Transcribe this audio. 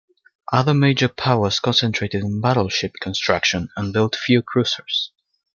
Other major powers concentrated on battleship construction and built few cruisers.